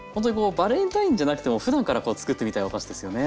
バレンタインじゃなくてもふだんからつくってみたいお菓子ですよね。